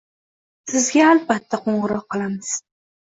Sizga alabatta qo'ng'iroq qilamiz.